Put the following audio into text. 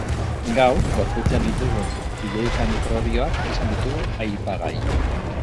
Gaur, gorputzean ditugun biloika mikrobioak izan ditugu aipagai.